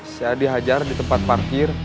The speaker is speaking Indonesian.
saya dihajar di tempat parkir